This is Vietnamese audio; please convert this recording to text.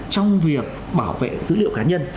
trong việc bảo vệ dữ liệu cá nhân